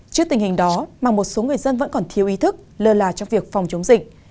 trước tình hình đó mà một số người dân vẫn còn thiếu ý thức lơ là trong việc phòng chống dịch